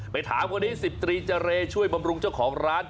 ถามคนนี้๑๐ตรีเจรช่วยบำรุงเจ้าของร้าน